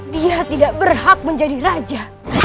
dia tidak berhak menjadi raja